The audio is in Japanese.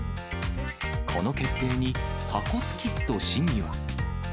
この決定に、タコスキッド市議は。